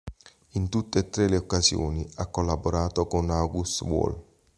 In tutte e tre le occasioni ha collaborato con Angus Wall.